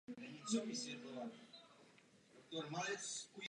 Je zapotřebí, aby členské státy tento plán uskutečnily.